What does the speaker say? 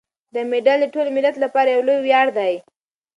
دا مډال د ټول ملت لپاره یو لوی ویاړ دی.